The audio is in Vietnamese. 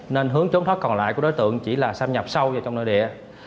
nên hướng trốn thoát còn lại của đối tượng chỉ là xâm nhập sâu vào trong nội địa